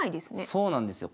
そうなんですよ。